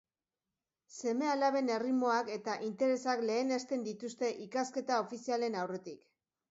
Seme-alaben erritmoak eta interesak lehenesten dituzte, ikasketa ofizialen aurretik.